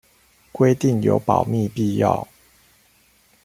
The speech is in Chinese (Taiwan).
規定有保密必要